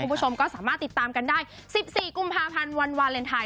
คุณผู้ชมก็สามารถติดตามกันได้๑๔กุมภาพันธ์วันวาเลนไทย